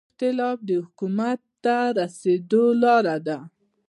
دا اختلاف د حکومت ته رسېدو لاره ده.